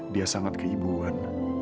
dia sangat keibuan